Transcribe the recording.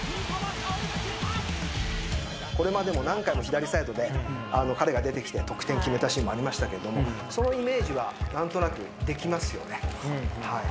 左サイドで彼が出てきて得点決めたシーンもありましたけどもそのイメージは何となくできますよね。